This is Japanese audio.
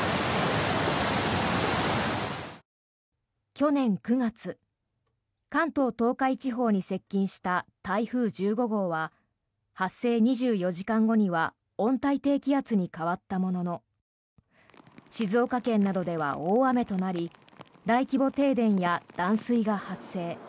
去年９月、関東・東海地方に接近した台風１５号は発生２４時間後には温帯低気圧に変わったものの静岡県などでは大雨となり大規模停電や断水が発生。